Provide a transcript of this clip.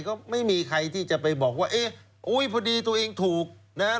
ก็ไม่มีใครที่จะไปบอกว่าเอ๊ะอุ้ยพอดีตัวเองถูกนะฮะ